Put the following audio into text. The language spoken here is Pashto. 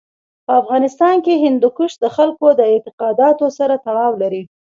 په افغانستان کې هندوکش د خلکو د اعتقاداتو سره تړاو لري.